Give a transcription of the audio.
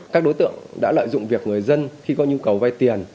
các đối tượng đã lợi dụng việc người dân khi có nhu cầu vay tiền